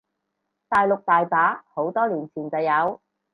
大陸大把，好多年前就有